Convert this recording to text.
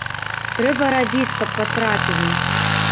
Трэба рабіць, каб патрапілі.